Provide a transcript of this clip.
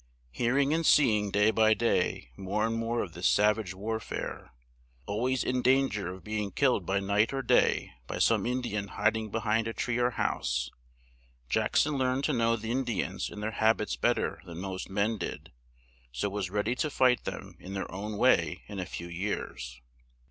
Hear ing and see ing day by day more and more of this sav age war fare, al ways in dan ger of be ing killed by night or day by some In di an hid ing be hind a tree or house, Jack son learned to know the In di ans and their hab its bet ter than most men did, so was read y to fight them in their own way in a few years.